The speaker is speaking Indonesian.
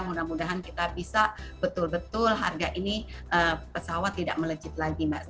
mudah mudahan kita bisa betul betul harga ini pesawat tidak melejit lagi mbak